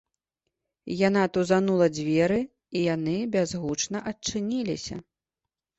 Яна тузанула дзверы, і яны бязгучна адчыніліся.